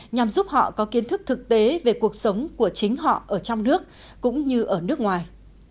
nhằm giúp họ có kiến thức thực tế về cuộc sống của chính họ ở trong nước cũng như ở nước ngoài